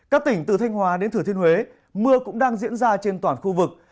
các tỉnh từ thanh hòa đến thừa thiên huế mưa cũng đang diễn ra trên toàn khu vực